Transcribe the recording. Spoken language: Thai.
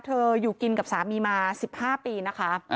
อยู่กินกับสามีมา๑๕ปีนะคะ